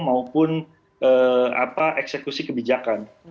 maupun eksekusi kebijakan